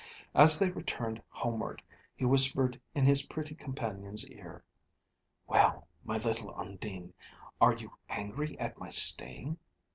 As they returned homeward, he whispered in his pretty companion's ear "Well, my little Undine! are you angry at my staying?"